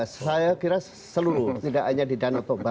saya kira seluruh tidak hanya di danau toba